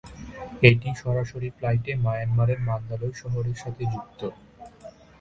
এটি সরাসরি ফ্লাইটে মায়ানমারের মান্দালয় শহরের সাথে যুক্ত।